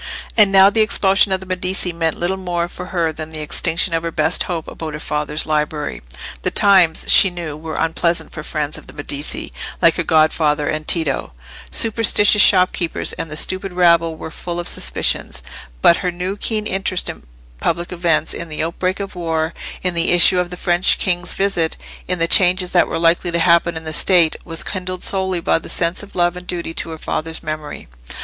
And now the expulsion of the Medici meant little more for her than the extinction of her best hope about her father's library. The times, she knew, were unpleasant for friends of the Medici, like her godfather and Tito: superstitious shopkeepers and the stupid rabble were full of suspicions; but her new keen interest in public events, in the outbreak of war, in the issue of the French king's visit, in the changes that were likely to happen in the State, was kindled solely by the sense of love and duty to her father's memory.